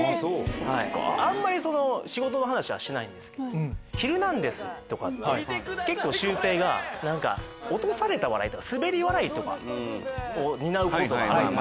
あんまり仕事の話はしないんですけど『ヒルナンデス！』とかってシュウペイが落とされた笑いというかスベり笑いを担うことがある。